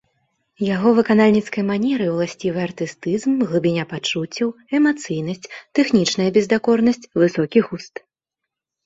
Яго выканальніцкай манеры ўласцівы артыстызм, глыбіня пачуццяў, эмацыйнасць, тэхнічная бездакорнасць, высокі густ.